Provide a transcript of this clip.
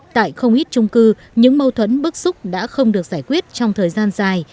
tại không ít trung cư những mâu thuẫn bức xúc đã không được giải quyết trong thời gian dài